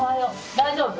大丈夫？